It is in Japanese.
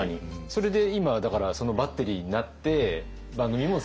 それで今だからそのバッテリーになって番組も続いて。